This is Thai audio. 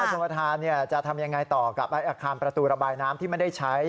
ว่าชนประทานเนี้ยจะทำยังไงต่อกับอาคารประตูระบายน้ำที่มันได้ใช้